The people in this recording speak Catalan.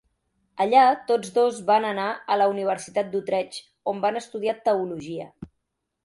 Allà, tots dos van anar a la Universitat d'Utrecht, on van estudiar teologia.